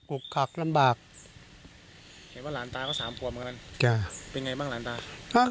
อกคักลำบากเห็นว่าหลานตาก็สามขวบเหมือนกันเป็นไงบ้างหลานตา